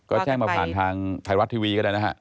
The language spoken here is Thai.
ก็แจ้งมาผ่านทางไทยรัฐทีวีก็ได้นะฮะ